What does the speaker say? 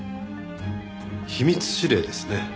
秘密指令ですね。